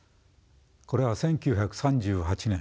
これは１９３８年